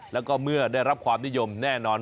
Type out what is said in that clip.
แล้วก็เมื่อได้รับความนิยมแน่นอน